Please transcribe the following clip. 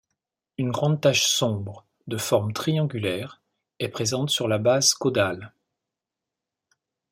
Une grande tache sombre, de forme triangulaire, est présente sur la base caudale.